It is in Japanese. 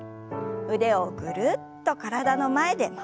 腕をぐるっと体の前で回しましょう。